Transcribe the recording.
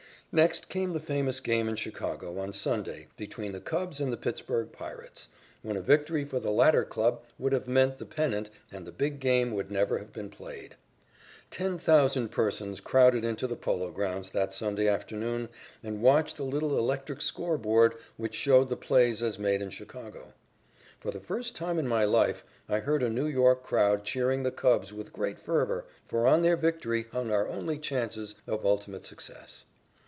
Next came the famous game in Chicago on Sunday between the Cubs and the Pittsburg Pirates, when a victory for the latter club would have meant the pennant and the big game would never have been played. Ten thousand persons crowded into the Polo Grounds that Sunday afternoon and watched a little electric score board which showed the plays as made in Chicago. For the first time in my life I heard a New York crowd cheering the Cubs with great fervor, for on their victory hung our only chances of ultimate success.